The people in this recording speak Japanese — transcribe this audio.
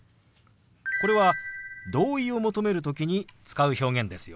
これは同意を求める時に使う表現ですよ。